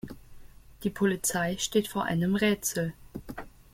Die Polizei steht vor einem Rätsel.